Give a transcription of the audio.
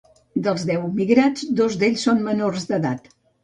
Dels deu migrants, dos d’ells són menors d’edat.